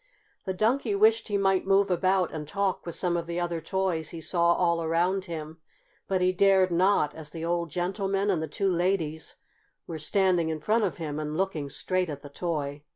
The Donkey wished he might move about and talk with some of the other toys he saw all around him, but he dared not, as the old gentleman and the two ladies were standing in front of him and looking straight at the toy.